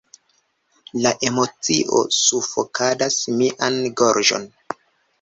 La emocio sufokadas mian gorĝon.